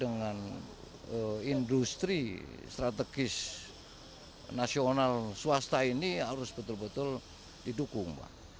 dengan industri strategis nasional swasta ini harus betul betul didukung